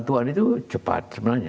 tapi ini juga sudah cepat sebenarnya